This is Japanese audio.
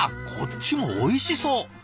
こっちもおいしそう。